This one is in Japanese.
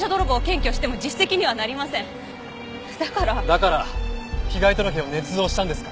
だから被害届を捏造したんですか？